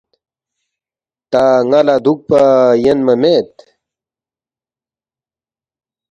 تا ن٘ا لہ دُوکپا یَنما مید